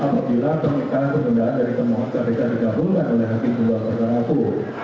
apabila pernikahan pemindahan dari pemohon kpk digambulkan oleh hakim ii pertama ibu